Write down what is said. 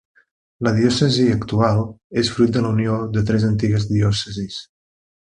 La diòcesi actual és fruit de la unió de tres antigues diòcesis.